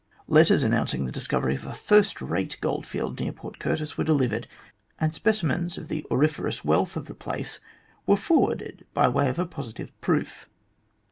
Letters announcing the discovery of a first rate goldfield near Port Curtis were delivered, and specimens of the auriferous wealth of the place were forwarded by way of positive proof.